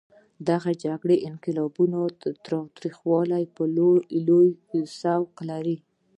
دغې جګړې انقلابیون د تاوتریخوالي په لور سوق کړل.